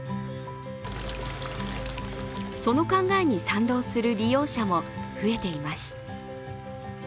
その考えに賛同する利用者も増えています。